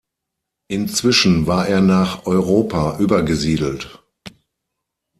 Inzwischen war er nach Europa übergesiedelt.